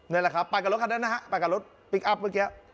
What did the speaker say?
ไปกันขันด้วยซักครู่